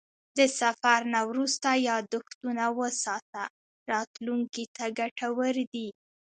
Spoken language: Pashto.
د سفر نه وروسته یادښتونه وساته، راتلونکي ته ګټور دي.